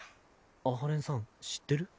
阿波連さん知ってる？